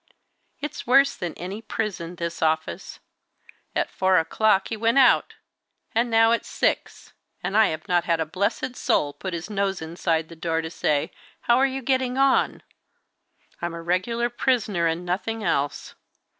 It's worse than any prison, this office! At four o'clock he went out, and now it's six, and I have not had a blessed soul put his nose inside the door to say, 'How are you getting on?' I'm a regular prisoner, and nothing else.